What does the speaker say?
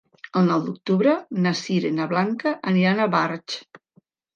El nou d'octubre na Sira i na Blanca aniran a Barx.